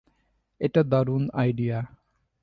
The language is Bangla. এটা দারুণ আইডিয়া।